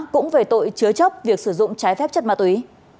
cũng về tội chứa chấp việc sử dụng trái phép chất ma túy